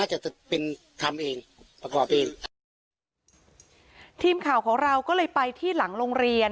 จะเป็นทำเองประกอบเองทีมข่าวของเราก็เลยไปที่หลังโรงเรียน